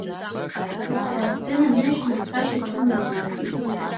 Сара сдына ныжьны цашьа сымаӡам, — иҳәеит.